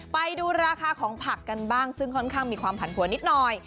ไปดูราคาของผักกันบ้างซึ่งค่อนข้างมีความผันผวนนิดหน่อย